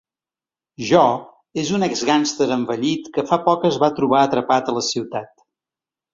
Jo és un ex-gàngster envellit que fa poc es va trobar atrapat a la ciutat.